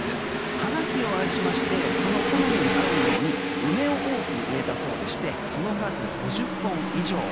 花木を愛しましてその好みに合うように梅を多く植えたそうでしてその数５０本以上。